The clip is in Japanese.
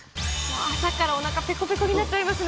朝からおなかぺこぺこになっちゃいますね。